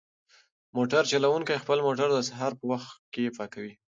موټر چلونکی خپل موټر د سهار په وخت کې پاکوي.